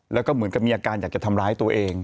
แล้วก็เหมือนกับมีอาการอยากจะทำร้ายตัวเอง